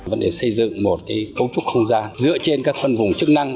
vấn đề xây dựng một cấu trúc không gian dựa trên các phân vùng chức năng